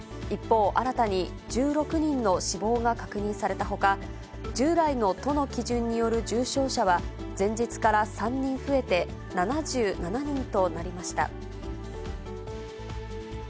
一方、新たに１６人の死亡が確認されたほか、従来の都の基準による重症者は前日から３人増えて７７人となりました。